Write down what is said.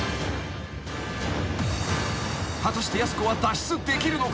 ［果たしてやす子は脱出できるのか？］